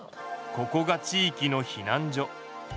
ここが地いきの避難所。